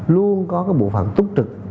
luôn có cái bộ phần túc trực